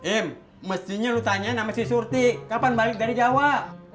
im mestinya lu tanya nama si surti kapan balik dari jawa